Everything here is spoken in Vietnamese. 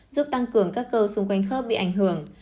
giúp tăng cường các câu xung quanh khớp bị ảnh hưởng